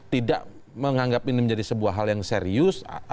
tidak menganggap ini menjadi sebuah hal yang serius